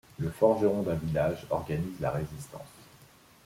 Le forgeron d'un village organise la résistance.